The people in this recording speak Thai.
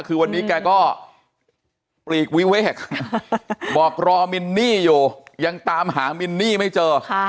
คือวันนี้แกก็ปลีกวิเวกบอกรอมินนี่อยู่ยังตามหามินนี่ไม่เจอ